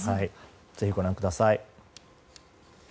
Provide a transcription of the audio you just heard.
ぜひご覧ください。